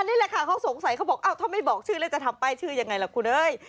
นี่แหละค่ะเขาสงสัยเขาบอกอ้าวถ้าไม่บอกชื่อแล้วจะทำป้ายชื่อยังไงล่ะคุณเอ้ย